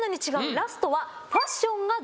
ラストは。